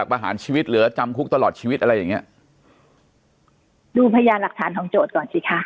ประหารชีวิตเหลือจำคุกตลอดชีวิตอะไรอย่างเงี้ยดูพยานหลักฐานของโจทย์ก่อนสิคะ